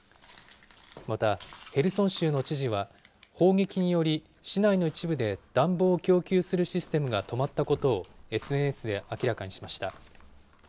またヘルソン州の知事は、砲撃により、市内の一部で暖房を供給するシステムが止まったことを、ＳＮＳで明らかにしました。